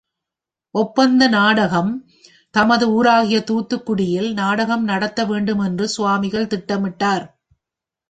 ஒப்பந்த நாடகம் தமது ஊராகிய தூத்துக்குடியில் நாடகம் நடத்த வேண்டு மென்று சுவாமிகள் திட்டமிட்டார்.